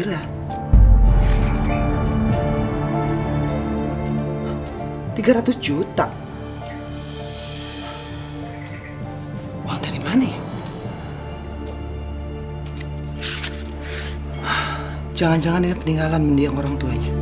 dengerin aku dulu dong